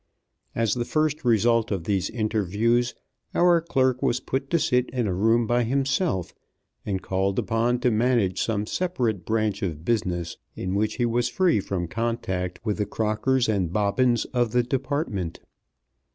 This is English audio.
As the first result of these interviews our clerk was put to sit in a room by himself, and called upon to manage some separate branch of business in which he was free from contact with the Crockers and Bobbins of the Department.